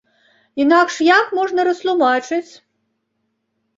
Інакш, як можна растлумачыць?